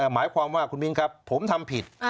หมายความว่าคุณมิ้นครับผมทำผิด